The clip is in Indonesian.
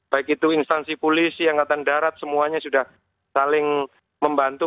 baik itu instansi polisi angkatan darat semuanya sudah saling membantu